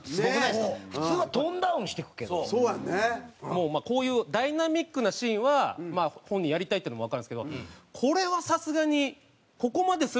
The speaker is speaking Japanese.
もうこういうダイナミックなシーンは本人やりたいっていうのもわかるんですけどこれはさすがにここまでするの？っていう。